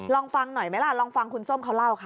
ลองฟังหน่อยไหมล่ะลองฟังคุณส้มเขาเล่าค่ะ